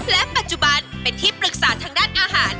และปัจจุบันเป็นที่ปรึกษาทางด้านอาหาร